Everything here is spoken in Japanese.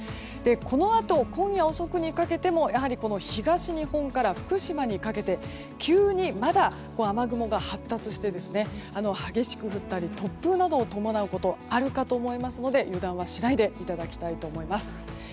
このあと今夜遅くにかけても東日本から福島にかけて急にまだ雨雲が発達して激しく降ったり突風などを伴うこともあるかと思いますので油断はしないでいただきたいと思います。